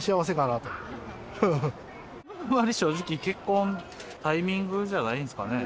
あんまり正直、結婚、タイミングじゃないですかね。